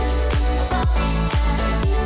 oke kita peliting ya